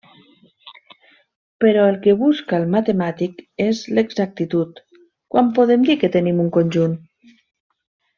Però el que busca el matemàtic és l'exactitud: quan podem dir que tenim un conjunt?